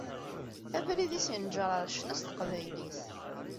Abrid-is yenǧer ar ccna s teqbaylit.